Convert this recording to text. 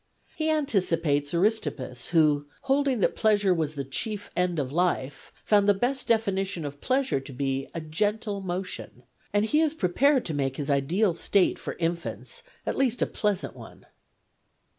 He anticipates Aristippus, who, holding that pleasure was the chief end of life, found the best definition of pleasure to be ' a gentle motion,' and he is prepared to make his ideal state for infants at least a pleasant one.